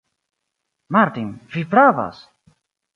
Martin, vi pravas!